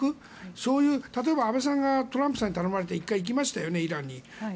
そういう、例えば安倍さんがトランプさんに頼まれて１回行きましたよね、イランに。